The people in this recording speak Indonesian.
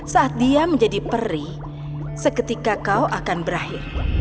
saat dia menjadi peri seketika kau akan berakhir